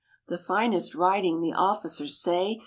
The finest riding, the officers say.